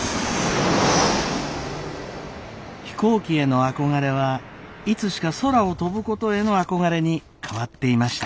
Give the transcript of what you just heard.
飛行機への憧れはいつしか空を飛ぶことへの憧れに変わっていました。